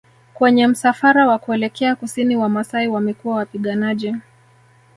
Kwenye msafara wa kuelekea Kusini Wamasai wamekuwa Wapiganaji